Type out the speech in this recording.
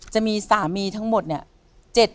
จะมีสามีทั้งหมดเนี่ย